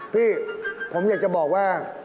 พี่ผมอยากจะบอกว่า